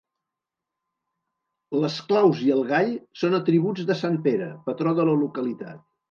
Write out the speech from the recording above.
Les claus i el gall són atributs de sant Pere, patró de la localitat.